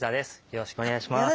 よろしくお願いします。